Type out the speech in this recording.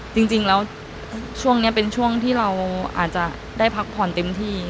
จริงแล้วช่วงนี้เป็นช่วงที่เราอาจจะได้พักผ่อนเต็มที่